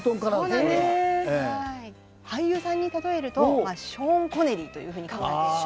俳優さんに例えるとショーン・コネリーというふうに考えています。